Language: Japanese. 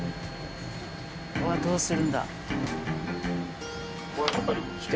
うわどうするんだ？